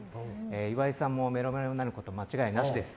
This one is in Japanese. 岩井さんもメロメロになること間違いなしです。